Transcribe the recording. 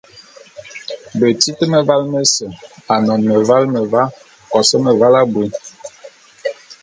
Betit mevale mese, anon meval meva, kos meval abui.